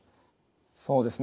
そうですね。